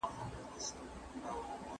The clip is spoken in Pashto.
دوی د پانګوال نظام له شره د تېښتې هڅه کوي.